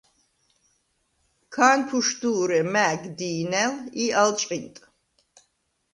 ქა̄ნფუშდუ̄რე მა̈გ დი̄ნა̄̈ლ ი ალ ჭყინტ.